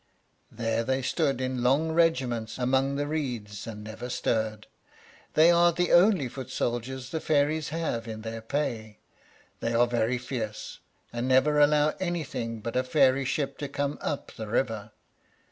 There they stood, in long regiments, among the reeds, and never stirred. They are the only foot soldiers the fairies have in their pay; they are very fierce, and never allow anything but a fairy ship to come up the river.